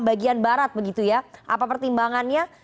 bagian barat begitu ya apa pertimbangannya